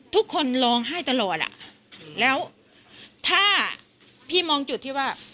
ทุกคนร้องไห้ตลอดอ่ะแล้วถ้าพี่มองจุดที่ว่า